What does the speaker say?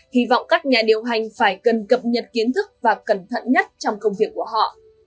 hy vọng các nhà điều hành phải cần cập nhật kiến thức và cẩn thận nhất trong công việc của họ